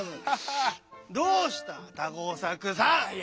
どうした田吾作さん。